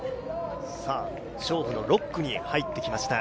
勝負の６区に入ってきました。